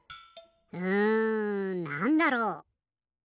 うんなんだろう？